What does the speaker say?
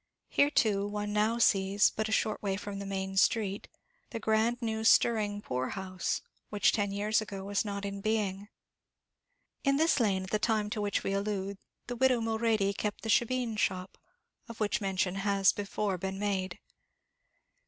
Here too one now sees, but a short way from the main street, the grand new stirring poor house, which ten years ago was not in being. In this lane at the time to which we allude the widow Mulready kept the shebeen shop, of which mention has before been made.